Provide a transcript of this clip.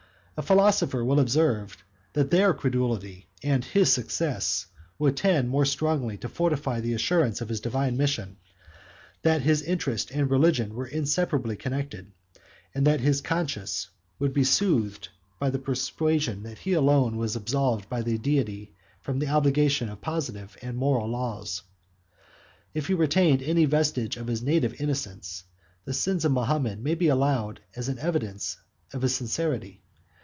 156 A philosopher will observe, that their credulity and his success would tend more strongly to fortify the assurance of his divine mission, that his interest and religion were inseparably connected, and that his conscience would be soothed by the persuasion, that he alone was absolved by the Deity from the obligation of positive and moral laws. If he retained any vestige of his native innocence, the sins of Mahomet may be allowed as an evidence of his sincerity.